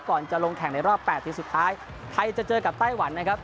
ก่อนจะลงแข่งในรอบ๘ทีมสุดท้ายไทยจะเจอกับไต้หวันนะครับ